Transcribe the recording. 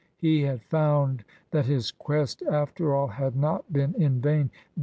He had found that his quest after all had not been in vain.